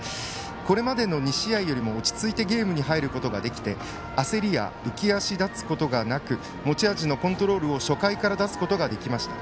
これまでの２試合より落ち着いてゲームに入ることができて焦りや浮足だつことがなく持ち味のコントロールを初回から出すことができました。